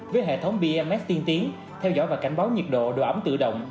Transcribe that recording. với hệ thống bms tiên tiến theo dõi và cảnh báo nhiệt độ độ ẩm tự động